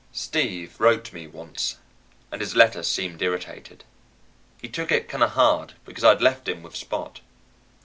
Steve wrote to me once, and his letter seemed irritated. He took it kind of hard because I'd left him with Spot.